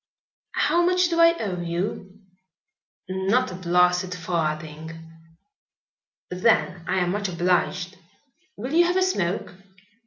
"How much do I owe you?" "Not a blasted farthing." "Then I am much obliged. Will you have a smoke?"